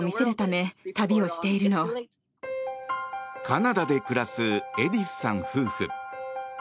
カナダで暮らすエディスさん夫婦。